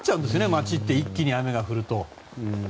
町って一気に雨が降ると。